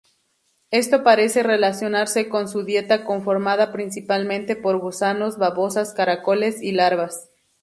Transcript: Esto parece relacionarse con su dieta conformada principalmente por gusanos, babosas, caracoles y larvas.